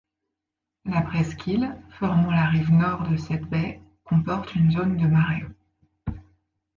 La presqu'île, formant la rive nord de cette baie, comporte une zone de marais.